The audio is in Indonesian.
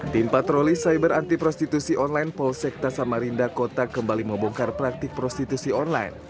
tim patroli cyber anti prostitusi online polsekta samarinda kota kembali membongkar praktik prostitusi online